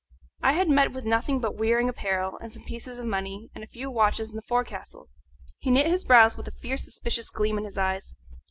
I had met with nothing but wearing apparel, and some pieces of money, and a few watches in the forecastle. He knit his brows with a fierce suspicious gleam in his eyes.